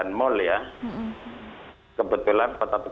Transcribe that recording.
dan kemudian kemudian protecting especialmente age